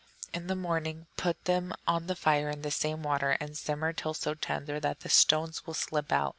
In the morning put them on the fire in the same water, and simmer till so tender that the stones will slip out.